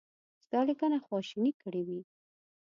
ستا لیکنه خواشینی کړی وي.